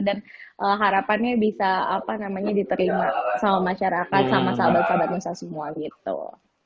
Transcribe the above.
dan harapannya bisa apa namanya diterima sama masyarakat sama sahabat sahabat nusa semua gitu